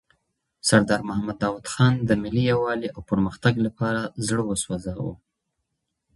سردار محمد داود خان د ملي یووالي او پرمختګ لپاره زړه وسوزاوه.